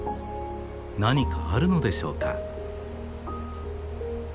何かあるのでしょうか。